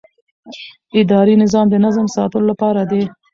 اداري نظام د نظم ساتلو لپاره دی.